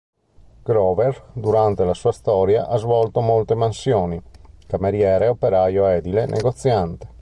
Grover, durante la sua storia, ha svolto molte mansioni: cameriere, operaio edile, negoziante.